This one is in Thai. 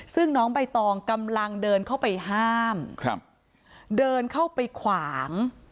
ซึ่งน้องใบตองกำลังเดินเข้าไปห้ามครับเดินเข้าไปขวาง